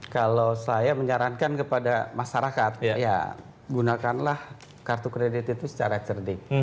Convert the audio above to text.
kalau saya menyarankan kepada masyarakat ya gunakanlah kartu kredit itu secara cerdik